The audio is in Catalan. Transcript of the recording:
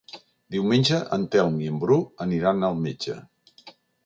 Diumenge en Telm i en Bru aniran al metge.